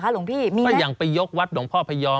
สำหรับสนุนโดยหวานได้ทุกที่ที่มีพาเลส